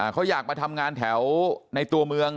เขาอยากมาทำงานแถวในตัวเมือง